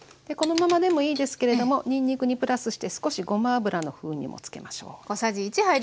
このままでもいいですけれどもにんにくにプラスして少しごま油の風味もつけましょう。